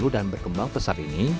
dan berkembang besar ini